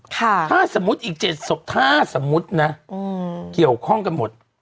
ถ้าสมมุติอีก๗ศพถ้าสมมุตินะเกี่ยวข้องกันหมด